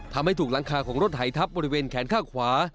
ทำให้ถูกหลังคาของรถหายทับบริเวณแขนข้างขวา